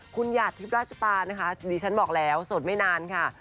คุณหยาดทิพย์ราชปานะคะดิฉันบอกแล้วสดไม่นานค่ะ